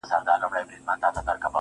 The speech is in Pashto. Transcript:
ځوان ژاړي سلگۍ وهي خبري کوي~